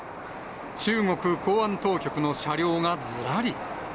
中国公安当局の車両がずらり。